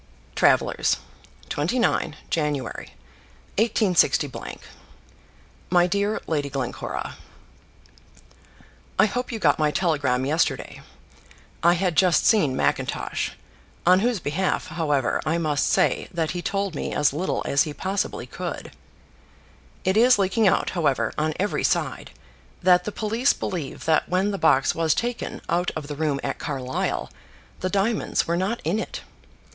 Travellers', 29 Jan., 186 MY DEAR LADY GLENCORA, I hope you got my telegram yesterday. I had just seen Mackintosh, on whose behalf, however, I must say that he told me as little as he possibly could. It is leaking out, however, on every side, that the police believe that when the box was taken out of the room at Carlisle, the diamonds were not in it.